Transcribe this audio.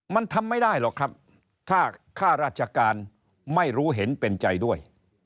มันทำไม่ได้หรอกครับถ้าข้าราชการไม่รู้เห็นเป็นใจด้วย